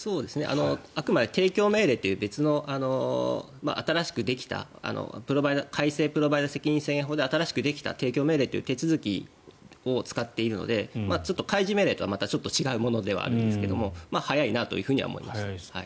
あくまで提供命令という別の新しくできた改正プロバイダ責任制限法で新しくできた提供命令という手続きを使っているので開示命令とは違うものではあるんですが早いなというふうには思いました。